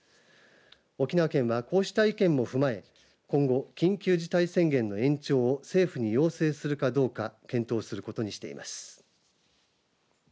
沖縄県は、こうした意見も踏まえ今後、緊急事態宣言の延長を政府に要請するかどうか検討することにしています。